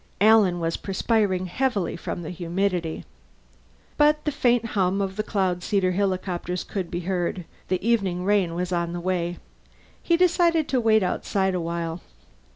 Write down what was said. Alan was perspiring heavily from the humidity. But the faint hum of the cloud seeders' helicopters could be heard; the evening rain was on the way. He decided to wait outside a while.